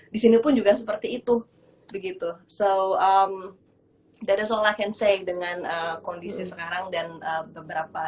disini pun juga seperti itu begitu so that is all i can say dengan kondisi sekarang dan beberapa